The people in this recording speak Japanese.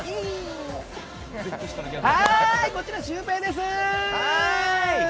はーい、シュウペイです。